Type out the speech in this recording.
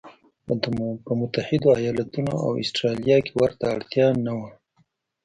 په متحدو ایالتونو او اسټرالیا کې ورته اړتیا نه وه.